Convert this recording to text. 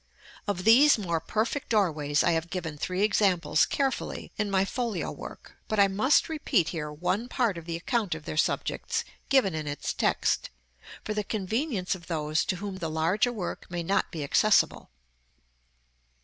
Of these more perfect doorways I have given three examples carefully, in my folio work; but I must repeat here one part of the account of their subjects given in its text, for the convenience of those to whom the larger work may not be accessible.